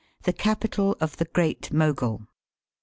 THE CAPITAL OF THE GBJIAT MOGUL.